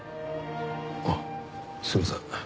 あっすいません。